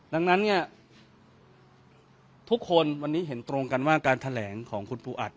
ดังนั้นทุกคนวันนี้เห็นตรงกันว่าการแถลงของคุณภูอัตริย์